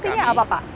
solusinya apa pak